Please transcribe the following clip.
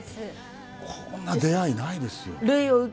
こんな出会い、ないですよ。